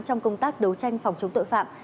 trong công tác đấu tranh phòng chống tội phạm